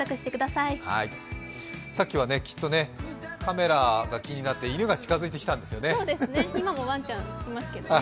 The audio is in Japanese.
さっきは、きっとカメラが気になって犬が近づいてきたんですよね。